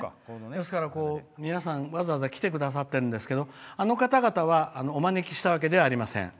ですから、皆さんわざわざ来てくださってるんですけどあの方々はお招きしたわけではありません。